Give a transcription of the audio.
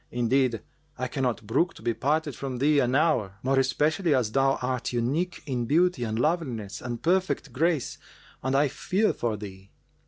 Indeed, I cannot brook to be parted from thee an hour, more especially as thou art unique in beauty and loveliness and perfect grace and I fear for thee."